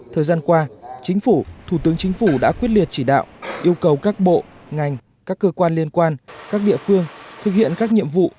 thời gian qua chính phủ thủ tướng chính phủ đã quyết liệt chỉ đạo yêu cầu các bộ ngành các cơ quan liên quan các địa phương thực hiện các nhiệm vụ